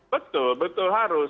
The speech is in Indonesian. betul betul harus